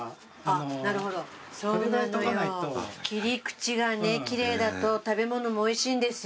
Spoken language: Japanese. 切り口が奇麗だと食べ物もおいしいんですよ。